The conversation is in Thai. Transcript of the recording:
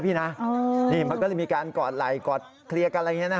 มันก็เลยมีการกอดไหล่กอดเคลียร์กันอะไรอย่างนี้